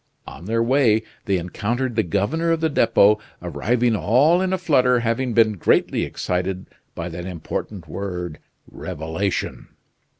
On their way they encountered the governor of the Depot, arriving all in a flutter, having been greatly excited by that important word "revelation."